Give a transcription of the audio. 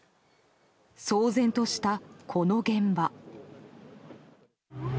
騒然とした、この現場。